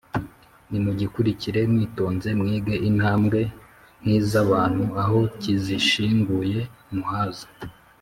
Nimugikurikire mwitonze Mwige intambwe nk'iz'abantu Aho kizishinguye muhaze,